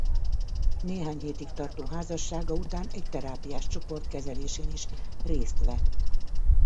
Néhány hétig tartó házassága után egy terápiás csoport kezelésén is részt vett.